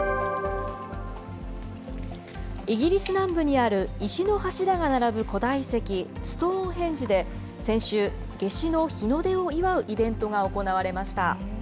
イギリス南部にある石の柱が並ぶ古代遺跡、ストーンヘンジで先週、夏至の日の出を祝うイベントが行われました。